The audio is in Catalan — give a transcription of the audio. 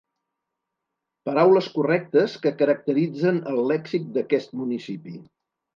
Paraules correctes que caracteritzen el lèxic d'aquest municipi.